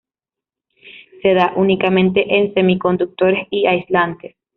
Se da únicamente en semiconductores y aislantes.